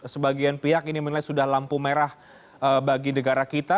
sebagian pihak ini menilai sudah lampu merah bagi negara kita